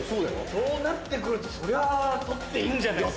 そうなって来るとそりゃあ取っていいんじゃないですか。